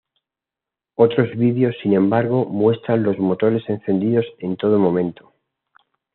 Otros videos, sin embargo, muestran los motores encendidos en todo momento.